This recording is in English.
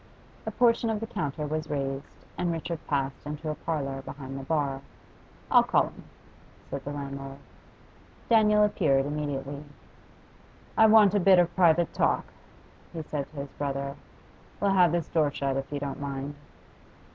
A portion of the counter was raised, and Richard passed into a parlour behind the bar. 'I'll call him,' said the landlord. Daniel appeared immediately. 'I want a bit of private talk,' he said to his brother. 'We'll have this door shut, if you don't mind.